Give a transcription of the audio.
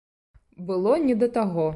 Было не да таго.